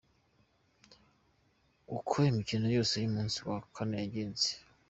Uko imikino yose y’umunsi wa kane yagenze.